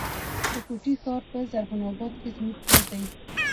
د کوټي ښار په زرغون آباد کي زموږ کور دی.